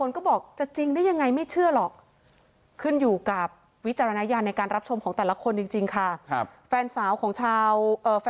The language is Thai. เธอบอกว่าเธอไม่รู้ว่าใครทำคุณใส